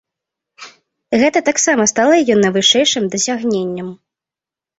Гэта таксама стала яе найвышэйшым дасягненнем.